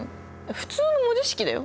普通の文字式だよ。